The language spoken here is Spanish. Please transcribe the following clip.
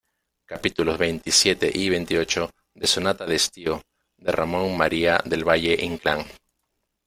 capítulos veintisiete y veintiocho de Sonata de estío, de Ramón María del Valle-Inclán.